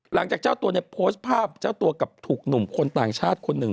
หลังจากเจ้าตัวเนี่ยโพสต์ภาพเจ้าตัวกลับถูกหนุ่มคนต่างชาติคนหนึ่ง